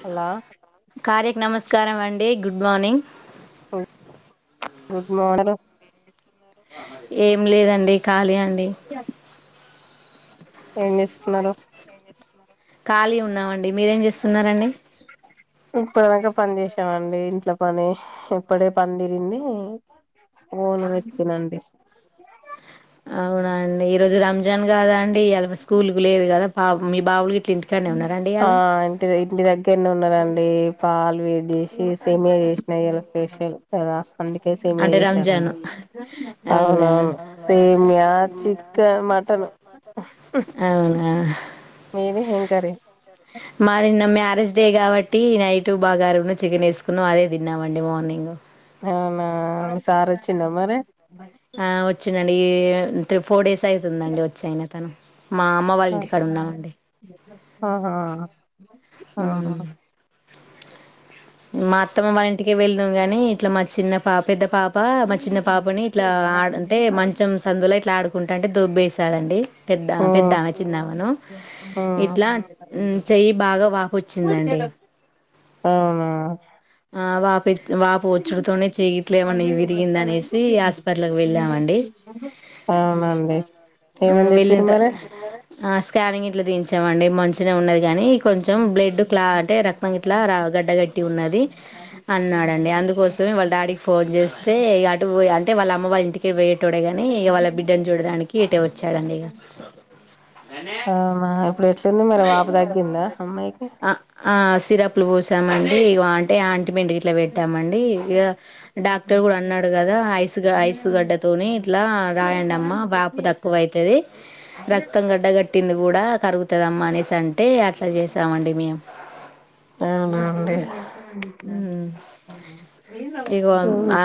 హా లా కార్యకు నమస్కారం అండి గుడ్ మార్నింగ్ గుడ్ గుడ్ [unintelligible] ఏం లేదండి ఖాళీ అన్ బే ఏం చేస్తున్నారు ఖాళీ ఉన్నామండి మీరేం చేస్తున్నారంండి ఇప్పుదాక పని చేసామండి ఇంట్లో పని ఇప్పుడే పని తిరింది ఓన్ పెట్నండి అవునండి ఈరోజు రంజాన్ కాదా అండి ఇయాల స్కూల్ కు లేదు కదా పాప్ మీ బావళ గీ ఆ ఇంటి ఇంటి దగ్గర నే ఉన్నారండి పాలు వేడి చేస్ సి సేమ్యా చేసినా ఇయాలా ఫేషియల్ కదా అందుకే సేమియా అంటే రంజాన్ చేశానండి అవునా అవునవును సేమ్యా చికెన్ మటన్ అవునా మీది ఏం కర్రీ నా మ్యారేజ్ డే కాబట్టి నైట్ బాగారును చికెన్ ఏసుకున్నాం అదే తిన్నామండి మార్నింగ్ అవునా మీ సార్ చిన్న మరి దండి తీ ఫోర్ డేస్ అయితుందండి వచ్చాయన తను మా అమ్మ వాళ్ళ ఇంటి కాడ ఉన్నామండి ఆహా ఆా ఉమ్. మా అత్తమ్మ వాళ్ళ ఇంటికి వెళ్దాం గాని ఇట్లా మా చిన్న పా పెద్ద పాప మా చిన్న పాపని ఇట్లా ఆ అంటే మంచం సందుల ట్లా ఆడుకుంట ఉంటే దొబ్బేస్తాదండి పెద్ద మ్మ్ పెద్దమ చిన్నాామాను ఇట్లా మ్మ్ చెయ్యి బాగా వా వాపొచ్చిందండి అవునా ఆ వాపు వాపు వచ్చుడితోనే చేయి గిట్ల ఏమన్నా విరిగింద అనేసి హాస్పిటల్కి వెళ్ళామండి అవునండి ఏమని వెళ్ళన చెప్పిరు త మరి స్కానింగ్ ఇట్లా దించామండి మంచినే ఉన్నది గానీ కొంచెం బ్లడ్ క్లా అంటే రక్తం గిట్లా రా గడ్డ గట్టి ఉన్నది అన్నాడండి అందుకోసమే వాళ్ళ డాడీకి ఫోన్ చేస్తే అటు పోయ అంటే వాళ్ళమ్మ వాళ్ ఇంటికే వె తోడే గాని ఇక వాళ్ళ బిడ్డని చూడడానికి ఇటే వచ్చాడండి ఇక అవునా ఇప్పుడు ఎట్లుంది మరి వాపు తగ్గిందా అమ్మాయికి ఆ ఆ సిరప్లు పోసామండి వా ప్యాం ఆయింట్మెంట్ ఇట్లా పెట్టామండి ఇక డాక్టర్ కూడా అన్నాడు కదా ఐ ఐస్ గడ్డతోని ఇట్లా రాయండి అమ్మా వాపు తక్కువ అయితది రక్తం గడ్డ కట్టింది కూడా కరుగు వస్తదమ్మ అనేసి అంటే అట్లా చేసామండి మేము అవునా అండి మ్మ్ ఇగో ఓ ఆ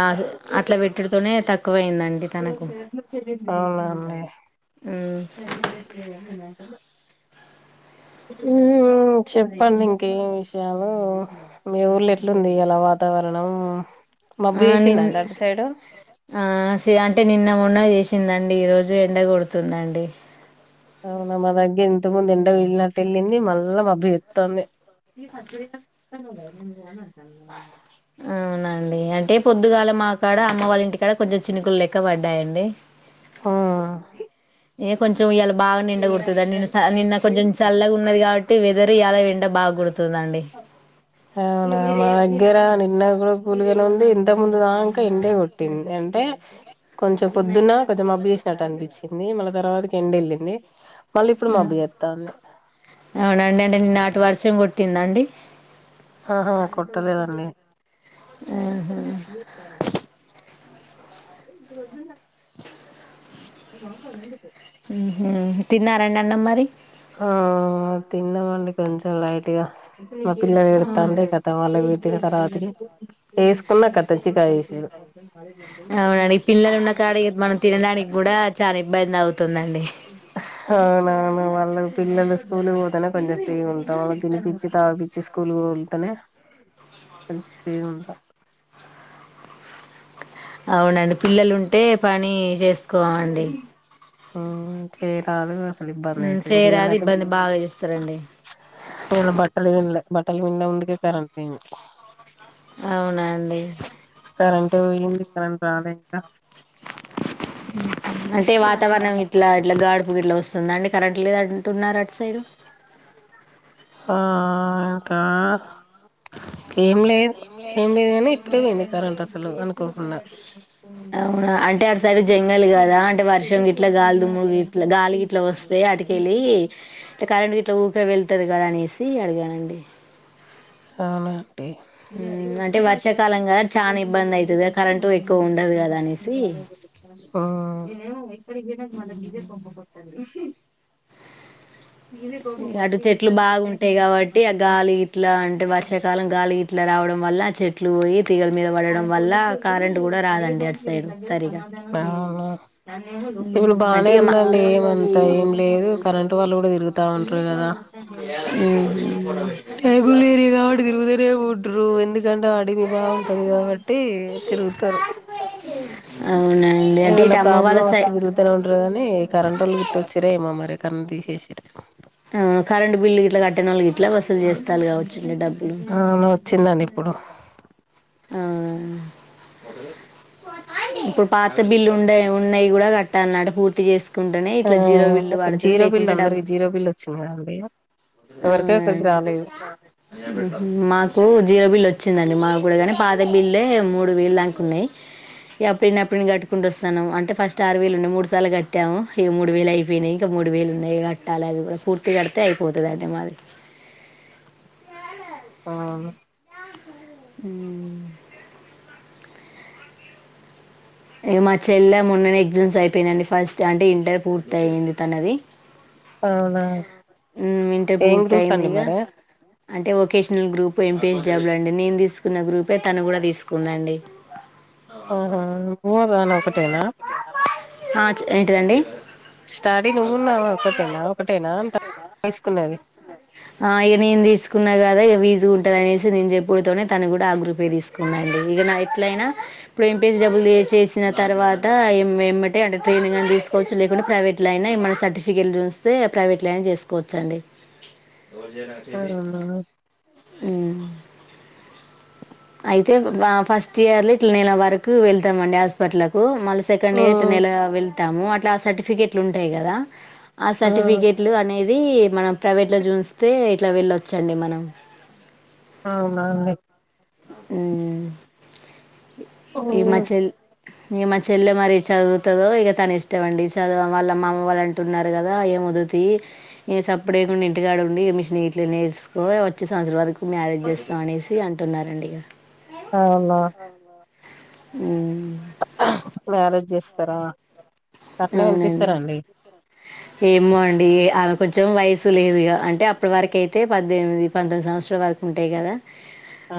అట్లా పెట్టుడుతోనే తక్కువయిందండి తనకు అవునండి మ్మ్ నాకేంటో [unintelligible] హు హొ చెప్పండి ఇంకేం విషయాలు మీ ఊర్ళ ఎట్లుంది ఇయాల వాతావరణం మబ్బు ఆ నిన్ చేసిందండి అటు సైడు ఆ శి టే నిన్న మొన్న చేసిందండి, ఈ రోజు ఎండ కొడుతుందండి. అవునా మా దగ్గ ఇంత ముందు ఎండ వెీళ్ళినట్టు, వెళ్ళింది మళ్ళా మబ్బి ఏత్తంది. అవునా అండి అంటే పొద్దుగాల మా కాడ అమ్మ వాళ్ళ, ఇంటికాడ కొంచెం చినుకులు లెక్క పడ్డాయండి. హా ఏ కొంచెం ఇయల్ వ్ బాగా నిండ గొడుతదిదన్ నిన్న నిన్న కొంచెం చల్లగా ఉన్నది, కాబట్టి వెదర్ ఇయాలా ఎండ బాగా కుడుతుందండి. అవునా మా దగ్గర నిన్న కూడా కూల్ గనే ఉంది, ఇంత ముందు దాంక ఎండే కొట్టింది అంటే కొంచెం. పొద్దున్న కొంచం మబ్బు చేసినట్టనిపిచ్చి వచ్చింది మళ్ళి తర్వాతకి ఎండెళ్ళింది అవునండి అంటే నిన్న అటు వర్షం కొట్ ట్టిందండి ఆహా కొట్టలేదండి ఇ ఆహా చప్ ఏడ్ దానంత ప్రొద్దున్న మాతో నేందుకు హు హ్మ్ తిన్నారండి అన్నం మరి ఆ తిన్నామండి కొంచెం లైట్గా మా పిల్లలు అవును. ఎడ్తాంటే కతం ఆళ్ళకు పెట్టిన తర్వాతనే ఏస్ పుల్లక్కత్తజ్జికాయి చేసిండు. అవునండి పిల్లలు ఉన్న కాడ ఇగ మనం తినడానికి కూడా చాలా ఇబ్బంది అవుతుందండి అవునవును మల్ మనం పిల్లలు స్కూల్ పోతేనే కొంచెం ఫ్రీగా ఉంటాం. అలక్ తినిపిచ్చి తాగిపిచ్చి స్కూల్ కు తోలుతనే కొంచెం ఫ్రీ ఉంటాం. అవునండి పిల్లలుంటే పని చేస్ కోండి ఆ చేయరాదు గద్ ఉం చేయరాదు ఇబ్బంది బాగా చేస్తారండి. ఇవాళ బట్టలు పిండలే బట్టలు పిండే ముందుకే కరెంట్ పోయింది. అవునా అండి కరెంట్ పోయింది కరెంట్ రాలే ఇంకా ఉహు అంటే వాతావరణం ఇట్లా ఇట్లా గాడుపు గిట్లా వస్ తుందండి కరంట్లేదు అంటున్నారు అటు సైడు ఆ ఆ ఇంకా ఏం లేదు ఏం లేదు గాని ఇప్పుడే పోయింది కరెంట్ అసలు అనుకోకుండా అవునా అంటే అటు సైడ్ జంగల్ కదా అంటే వర్షం గిట్లా గాలి దుమ్ముగిట్లా గాలి గిట్లా వస్తే అటుకెళ్ళి కరెంట్ గిట్లా ఊక వెళ్ పొతదిగద అనేసి అడిగానండి. అవున టె మ్మ్ అంటే ఆ అక్కడకి వర్షాకాలం కదా చానా ఇబ్బంది అయితది కదా కరెంటు ఎక్కువ ఉండదు కదా అనేసి పోయినంక మల్ల మిదె కొంపకోత్తంది. అటు చెట్లు బాగుంటాయి కాబట్టి ఆ గాలి గిట్లా అంటే వర్షాకాలం గాలి గిట్లా రావడం వల్ల చెట్లు పోయి తీగల మీద పడడం వల్ల కరెంట్ కూడా రాదండి అటు సైడు సరిగా ఇప్పుడు అంటే బానే ఇగ మా ఉందండి ఏమంతా ఏం అంత లేదు కరెంటు వాళ్ళు కూడా తిరుగుతా ఉంటారు కదా ఏం లేదు టైం బులురి కాబట్టి తిరుగుతనే ఉంటరు. ఎందుకంటే వాడి మీ బాగుంటది కాబట్టి తిరుగుతారు. అవునండి అంటే ఏదన్న ఇటు అమ్మ వాళ్ళ ప్రాబ్లమ్ సై వస్తే తిరుగుతనే ఉంటారు కాని, కరెంట్ వొళ్ళు గిట్ల వచ్చిరేమో మరి కరెంట్ తీస్ ఇసి కరంట్ బిల్ గిట్ల కట్టనోల్లుగి అవును వచ్చిందండి ఇప్పుడు. ఆ ఇప్పుడు పాత బిల్లు ఉండ ఉన్నాయి కూడా కట్ అన్నాడు పూర్తి చేసు కుంటెనే ఆ ఇట్లా జీరో బిల్ పడుతది జీరో బిల్ లేకుంటే డబ్ అందరికి జీరో బిల్ వచ్చింది కదండి ఎవరికో అవునా ఒకరికి అండి రాలేదు ఉహు మాకు జీరో బిల్ వచ్చిందండి మా గూడా గని పాద బిల్లే మూడు వేలు దంక ఉన్నాయి. ఎప్పుడిన్ని అప్పుడిన్ని కట్టుకుంట వస్తాన్నాము. అంటే ఫస్ట్ ఆరు వేలు ఉన్న మూడు సార్లు కట్టాము ఇగ మూడు వేలు అయిపోయినాయి ఇంకా మూడు వేలు ఉన్నాయి కట్టాలి అది కూడా పూర్తి కడితే అయిపోతది అండి మాది. అవును ఉ ఇగ మా చెల్ల మొన్ననే ఎగ్జామ్స్ అయిపోయినండి ఫస్ట్ అంటే ఇంటర్ పూర్తి అయింది తనది. అవునా హు ఇంట ఏం పూర్తి గ్రూప్ అయింది అండి ఇంగా మరి అంటే వొకేషనల్ గ్రూప్ ఎంపీఎస్ డ బ్ బ్లు అండి నేను తీసుకున్న గ్రూపే తను కూడా తీసుకుందాండి ఆహా నువ్వు దానా ఒకటేనా ఆ, చ- ఏంటిదండి స్టాడీ నువ్వున్ను ఆమె ఒకతేనా ఒకటేనా అంట తీసుకున్నది ఆ ఇగ నేను తీసుకున్నా గదే వి స్ గుంటదనేసి నేను చెప్పుడుతోనే తను కూడా ఆ గ్రూపే తీసుకుదండి ఇగ నా ఎట్లయినా ఇప్పుడు ఏంసి డబులుచెసిన తర్వాత ఎమ్ ఏమ్మటే అంటే ట్రైనింగ్ అన్న తీసుకోవచ్చు లేకుంటే ప్రైవేట్ లో అయినా సర్టిఫికెట్ చూస్తే ప్రవట్ ప్లాన్ చేసుకోవచ్చు అండి ఎర్ చేనా చేది అవునా హు అయితే వా ఫస్ట్ ఇయర్ లో ఇట్లా నేల వరకు వెళ్తామండి హాస్పిట్లకు మళ్ళ సెకండ్ ఇయర్ మ్మ్ నెల వెల్ తాము అట్లా సర్టిఫికెట్లు ఉంటాయి కదా ఆ మ్మ్ సర్టిఫికెట్లు అనేది ది మనం ప్రైవేట్ లో చూస్తే ఇట్లా వెళ్ళొచ్చండి మనం అవున అండి హు మ్మ్ హిమాచల్ ఇగ మా చెల్లె మరి చదువుతదో ఇగ తన ఇష్టంమండి చదువా వాళ్ళ మా అమ్మ వాళ్ళు అంటున్నారు గదా ఏం వద్దుతి ఇగ సప్పుడేకుండు ఇంటికాడ ఉండి మిషన్ గిట్ల నేర్చుకో వచ్చే సంవత్సరం వరకు మ్యారేజ్ చేస్తాం అనేసి అన్ తున్నారండి అవునా హు మ్యారేజ్ చేస్తారా కట్నం ఎంత అవునండి ఇస్తారండి ఏమో అండి ఆమె కొంచెం కొంచెం వయసు లేదుగా అంటే అప్పటి వరకు అయితే పద్దెనిమిది పంతొమ్మిది సంవత్సరాల వరకు ఉంటాయి కదా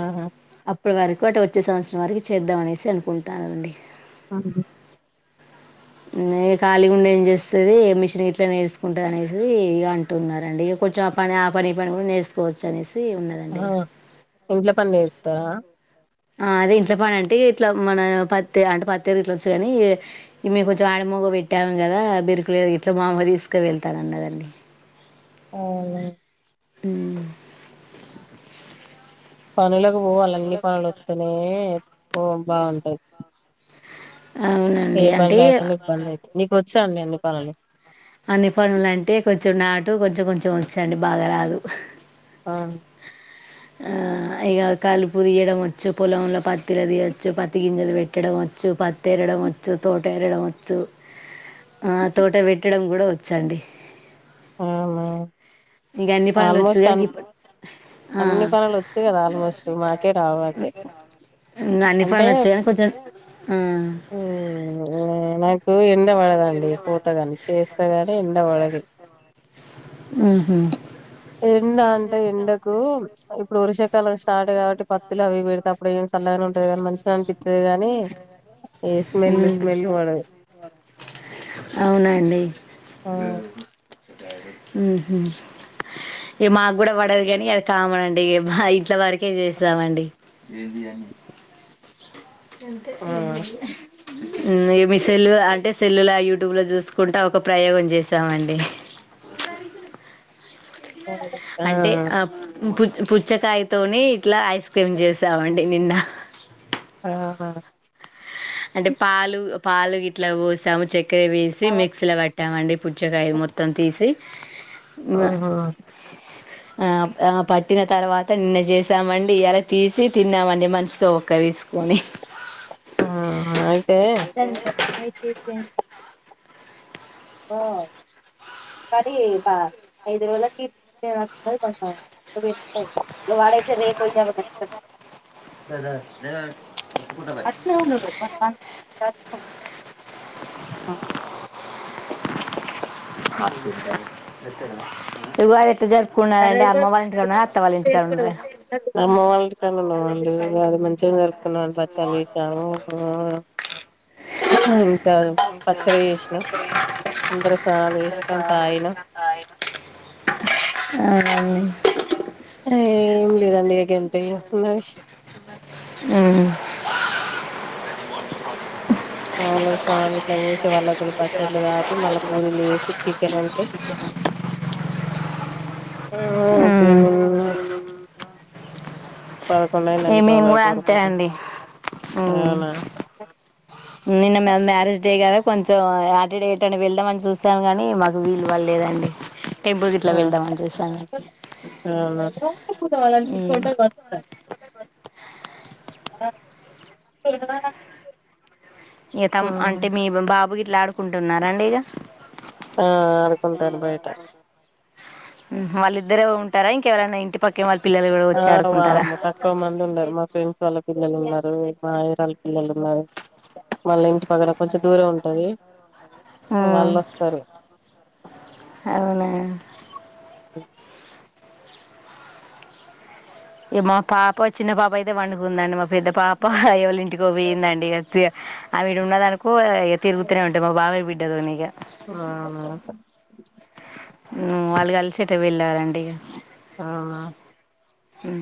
ఆహా అప్పుడు వరకు ఆటో చ్చే సంవత్సరం వరకు చేద్దామనేసి అనుకుంటున్నారండి అ అ ఆ ఇగ కాళీగుండి ఏం చేస్తది మిషన్ గిట్లా నేర్చుకుంటంది అనేసి ఇగ అంటున్న రండి ఇగ కొంచెం ఆ పని ఆ పని పని కూడా నేర్చుకోవచ్చు అనేసి ఆ ఉన్నదండి ఇగ ఇంట్ల పని నేర్పు తారా ఆ అదే ఇంట్లో పని అంటే ఇట్లా మన పత్తి అంటే పత్తి ఎరుడుగిట్లొచ్చు కాని ము కొంచెం ఆడిమగ పెట్టాము కదా బిరుకులురు గిట్లా మామ్మ తీసుక వెళ్తానాన్నదండీ అవునా హు పనులక్ పో వలే అన్ని పనులు వత్తనే ఓ బాగుంటాయి ఏ అవునండి పని అంటే రాకుంన్న ఇబ్బంది అయితది నీకు వచ్చా అండి అన్ని పనులు అన్ని పనులు అంటే కొంచెం నాటు కొంచెం కొంచెం వచ్చాండి బాగా రాదు ఆ! ఆ ఇక కలుపు తీయడం వచ్చు పొలంలో పత్తిల తీయచ్చు పత్తి గింజలు పెట్టడం వచ్చు పత్ తెరడం వచ్చు తోట పేరడం వచ్చు ఆ తోట పెట్టడం కూడా వ చండి అవునా అన్ని పనులు వచ్చు ఆల్మోస్ట్ అ కానీ ఇప్పుడు అన్ని పనులు వచ్చాయి కదా ఆల్మోస్ట్ మాకే రావాలి అన్ని అంటే పనులు వచ్చు కానీ కొంచెం ఆ, హ నా నా గాని ఎండ పడది ఉహుమ్ ఎండ అంటే ఎండకు ఇప్పుడు వరుష కాలం స్టార్ట్ కాబట్టి పత్లు అవి పెడితేప్పుడు ఏం చల్లగానే ఉంటది కానీ మంచిగా అనిపిత్తది గానీ ఏ స్మెల్ స్మెల్ మ్. పడదు ఇ మాకు కూడా పడదు కాని అది కామనండి ఇ మా ఇంట్ల వరకే చేస్తామండి అంతే ఆ ఏం చేయలేం మీ సెల్ అంటే సెల్లులా యూట్యూబ్లో చూసుకుంట ఒక ప్రయోగం చేసామండి ఆ అంటే ఆ పు పుచ్చకాయతోని ఇట్లా ఐస్ క్రీమ్ చేసామండి అంటే నిన్న ఆ హ అంటే పాలు పాలు ఇట్లా పోసాము చెక్క ఇ వేసి మిక్సీలట్టి ఎామండి పుజకాయలు మొత్తం తీసి ఆహ ఆ ఆ పట్టిన తర్వాత నిన్న చేసామండి ఇలా తీసి తిన్నామండి మంచితో ఒక్క తీసుకొని ఉహుమ్ అయ్తే ఓ కానీ బా ఐదు రోజులకి కొంచంయి వాడైతే రేపు వయచ్చ సధా శ్రీను కోటుకుంట పయిరి రవారితే జ న్న అండి అమ్మ వాళ్ళ ఇంటి క ఉ అత్త వాళ్ళ ఇంటి కాండరా అమ్మ వాళ్ళ కాన్నాన్నా అ అది మంచిగా జరుపుకున్నా పచ్చళ చేసాము ఇంకా పచ్చడి చేసాము అందర సదే ఇష్టం తాన అవు ఏం లేదండి అకంత ఉన్నవి ఉమ్ ఆవుళకి సాలు ఇట్లా పోసి వాళ్ళ కూడా పచ్చట్లు ఆ పి మళ్ళా పూరీలు వేసి చికెన్ ఉండి ఉమ్ ప పదకొండైయి ఏ అంతే అండి అవునా నిన్న మ్యారేజ్ డే కద కొంచెం టని వెళ్దామని చూసాము గాని మాకు వీలువ లేదండి టేబుల్ గట్లా ఆ వెళ్దామని చేసా వాళ ట వస్తస్త ఈతం అంటే మీ బాబుకి ట్లాడుకుంటున్నారా అండి ఇగ ఆ ఆడుకుంటారు బయట వాళ్ళిద్దరే ఉంటారా ఇంకెవరనా ఇంటి పక్కే వాళ్ళే ఆ వా తక్కువ మంది ఉన్నారు మా ఫ్రెండ్స్ వాళ్ళ పిల్లలున్నారు మా వేరేవాల పిల్లలున్నారు మళ్ళ ఇంటి పక్కల కొంచెం దూరం ఉంటది హా వాళ్ళొస్తారు హవునా ఈ మా పాప చిన్న పాప అయితే పండుకుందండి మా పెద్ద పాప ఎవళ్ళింటికో పోయుందండి ఇగ [unintelligible] ఆవీడున్నదనుకో పో ఏ తరుగుతనే ఉంటే మా బాబాయ్ బిడ్డతోనిగ ఆ ఊ వాళ్ళు కలిసి ఎటో వెళ్ళారండి ఇగ ఆ హు